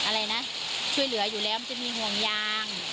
อะไรนะช่วยเหลืออยู่แล้วมันจะมีห่วงยาง